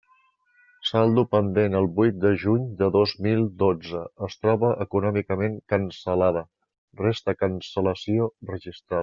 Saldo pendent el vuit de juny de dos mil dotze: es troba econòmicament cancel·lada, resta cancel·lació registral.